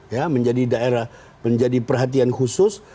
ya menjadi daerah menjadi perhatian khusus